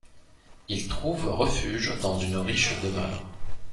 Ils trouvent refuge dans une riche demeure.